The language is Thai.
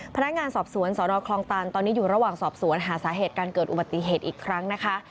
พนักงานสอบสวนสนคลองตันตอนนี้อยู่ระหว่างสอบสวนหาสาเหตุการเกิดอุบัติเหตุอีกครั้งนะคะ